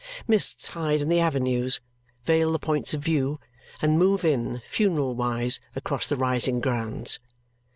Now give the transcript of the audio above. Mists hide in the avenues, veil the points of view, and move in funeral wise across the rising grounds.